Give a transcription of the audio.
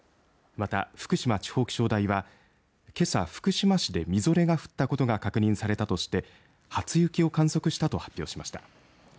また、福島地方気象台はけさ、福島市で、みぞれが降ったことが確認されたとして初雪を観測したと発表しました。